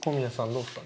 どうですか？